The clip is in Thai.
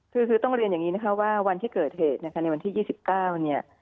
คือต้องเรียนอย่างนี้ว่าวันที่เกิดเหตุในวันที่๒๙